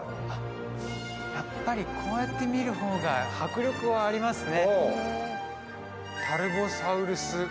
やっぱりこうやって見る方が迫力がありますね。